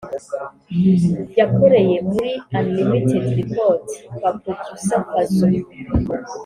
yakoreye muri Unlimited Records kwa Producer Fazzo